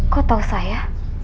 kok tau saya